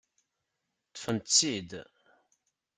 Ṭṭfent-t-id.